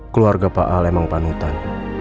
keluarga pak ale emang panutan